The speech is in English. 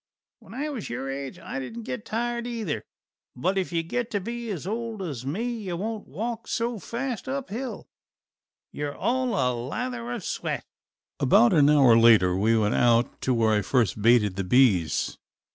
"When I was your age I didn't get tired either, but if you get to be as old as me you won't walk so fast up hill; you're all a lather of sweat." About an hour later we went out to where I had first baited the bees.